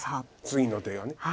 次の手がね。